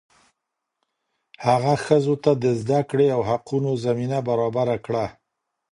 هغه ښځو ته د زده کړې او حقونو زمینه برابره کړه.